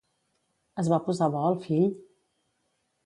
Es va posar bo el fill?